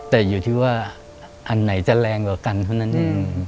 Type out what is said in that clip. แต่อยู่ที่ว่าอันไหนจะแรงกว่ากันเท่านั้นเอง